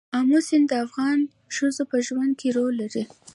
آمو سیند د افغان ښځو په ژوند کې رول لري.